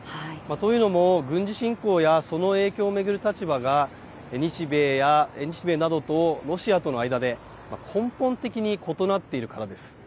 というのも、軍事侵攻や、その影響を巡る立場が、日米などとロシアとの間で、根本的に異なっているからです。